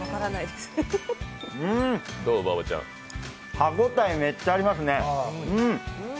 歯応えめっちゃありますね。